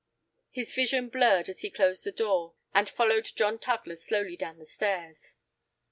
His vision blurred as he closed the door, and followed John Tugler slowly down the stairs.